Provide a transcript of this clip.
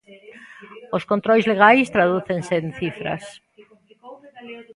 Os controis legais tradúcense en cifras.